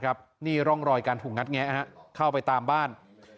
นี่ร่องรอยการถูกงัดแงะเข้าไปตามบ้าน